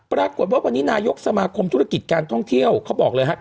ปรากฏว่าวันนี้นายกสมาคมธุรกิจการท่องเที่ยวเขาบอกเลยครับ